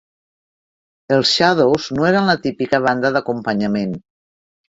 Els Shadows no eren la típica banda d'acompanyament.